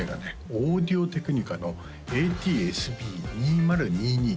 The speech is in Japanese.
オーディオテクニカのＡＴ−ＳＢ２０２２